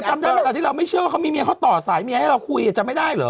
ก็จำได้เมื่อเราไม่เชื่อเขามีเมียเพราะเขาต่อสายเมียเราคุยจำไม่ได้หรอ